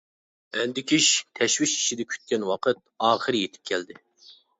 ئەندىكىش، تەشۋىش ئىچىدە كۈتكەن ۋاقىت ئاخىرى يېتىپ كەلدى.